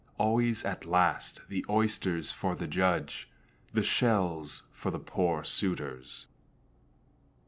Always at last the oyster's for the judge, The shells for the poor suitors.